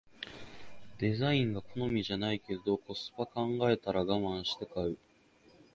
デザインが好みじゃないけどコスパ考えたらガマンして買う